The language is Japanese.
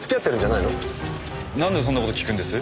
なんでそんな事聞くんです？